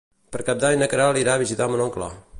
Per Cap d'Any na Queralt irà a visitar mon oncle.